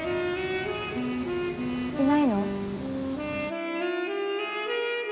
いないの？